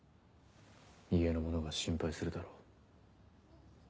家の者が心配するだろう。